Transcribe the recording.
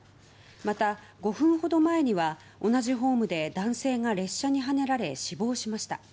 また、５分ほど前には同じホームで男性が列車にはねられ死亡しました。